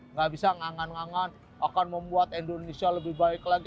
nggak bisa ngangan ngangan akan membuat indonesia lebih baik lagi